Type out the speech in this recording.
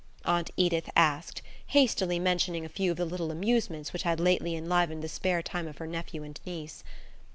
Aunt Edith asked, hastily mentioning a few of the little amusements which had lately enlivened the spare time of her nephew and niece.